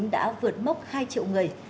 đã vượt mốc hai triệu người